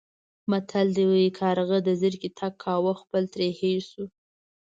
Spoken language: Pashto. متل دی: کارغه د زرکې تګ کاوه خپل ترې هېر شو.